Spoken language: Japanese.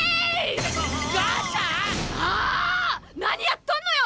何やっとんのよ